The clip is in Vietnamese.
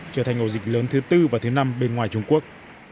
trở thành ổ dịch lớn thứ tư và thứ năm bên ngoài trung quốc